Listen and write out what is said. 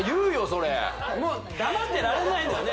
それもう黙ってられないのよね